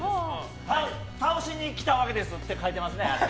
倒しに来たわけですって書いてありますね。